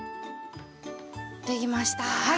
できました。